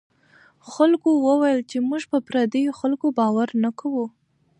خلکو وویل چې موږ په پردیو خلکو باور نه کوو.